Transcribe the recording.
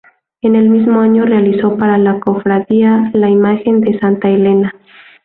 En el mismo año realizó para la Cofradía la imagen de Santa Elena.